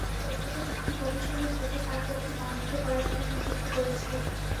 তিনি অন্যদের একটি কমিশনের জন্য তার পক্ষে বাণিজ্য করার জন্য নিযুক্ত করেছিলেন।